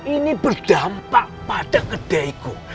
ini berdampak pada kedeku